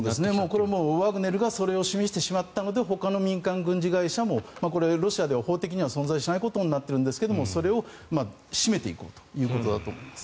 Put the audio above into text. これはもうワグネルがそれを示してしまったのでほかの民間軍事会社もこれはロシアでは法的には存在しないことになっているんですがそれを締めていこうということだと思います。